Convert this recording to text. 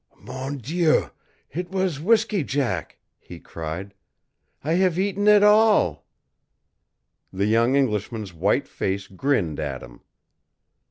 "Mon Dieu, it was whisky jack!" he cried. "I have eaten it all!" The young Englishman's white face grinned at him.